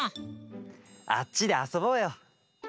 あっちであそぼうよ！